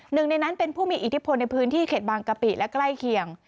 หนึ่งในนั้นเป็นผู้มีอิทธิพลในพื้นที่เขตบางกะปิและใกล้เคียง